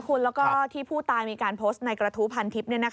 คุณแล้วก็ที่ผู้ตายมีการโพสต์ในกระทู้พันทิพย์